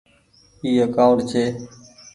اي اڪآونٽ ڇي۔